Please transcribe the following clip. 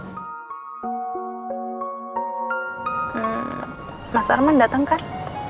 hmm mas arman datang kan